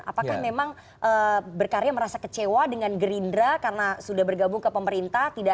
apakah memang berkarya merasa kecewa dengan gerindra karena sudah bergabung ke pemerintah